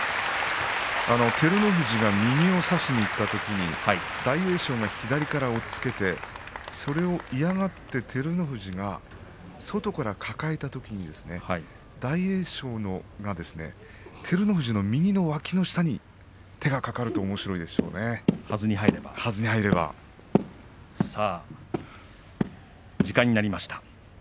照ノ富士が右を差しにいったときに大栄翔が左から押っつけてそれを嫌がって照ノ富士が外から抱えたときに大栄翔が照ノ富士の右のわきの下に手が掛かるとおもしろいでしょうね時間です。